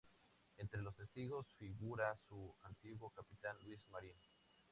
Entre los testigos figura su antiguo capitán Luis Marín.